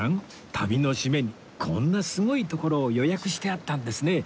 旅のシメにこんなすごい所を予約してあったんですね